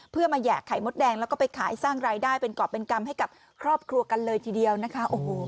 เพื่อมาแยกไข่มดแดงแล้วก็ไปขายสร้างรายได้เป็นกรอบเป็นกรรมให้กับครอบครัวกันเลยทีเดียวนะคะโอ้โห